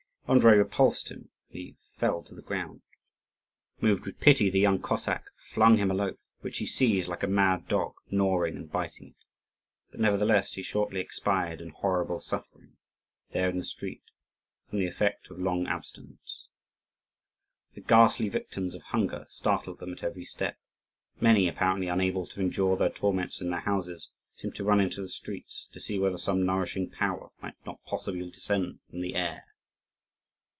Andrii repulsed him and he fell to the ground. Moved with pity, the young Cossack flung him a loaf, which he seized like a mad dog, gnawing and biting it; but nevertheless he shortly expired in horrible suffering, there in the street, from the effect of long abstinence. The ghastly victims of hunger startled them at every step. Many, apparently unable to endure their torments in their houses, seemed to run into the streets to see whether some nourishing power might not possibly descend from the air.